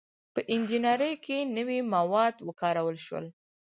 • په انجینرۍ کې نوي مواد وکارول شول.